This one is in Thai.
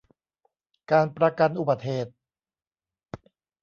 การประกันอุบัติเหตุ